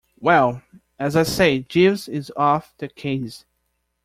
Well, as I say, Jeeves is off the case.